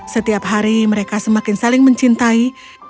setiap hari mereka semakin saling mencintai